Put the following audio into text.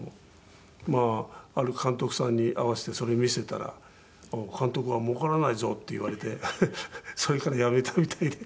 まあある監督さんに会わせてそれ見せたら「監督はもうからないぞ」って言われてそれからやめたみたいで。